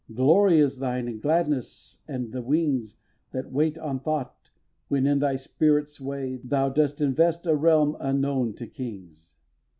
Glory is thine and gladness and the wings That wait on thought when, in thy spirit sway, Thou dost invest a realm unknown to kings.